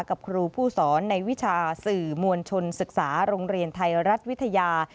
กับครูผู้สอนในวิชาสื่อมวลชนศึกษาโรงเรียนไทยรัฐวิทยา